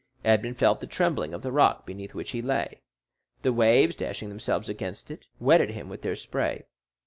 Edmond felt the trembling of the rock beneath which he lay; the waves, dashing themselves against it, wetted him with their spray.